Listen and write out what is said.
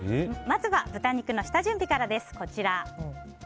まずは豚肉の下準備からです。